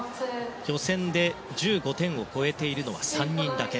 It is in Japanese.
予選で１５点を超えているのは３人だけ。